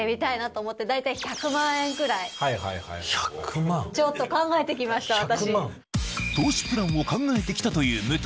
まずはちょっと考えてきました私。